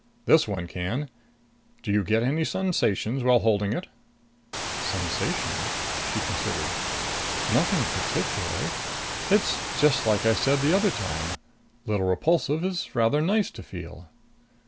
"This one can. Do you get any sensations while holding it?" "Sensations?" She considered. "Nothing particular. It's just like I said the other time little Repulsive is rather nice to feel."